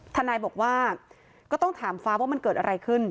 ทนายบอกว่าก็ต้องถามฟ้าว่ามันเกิดอะไรขึ้น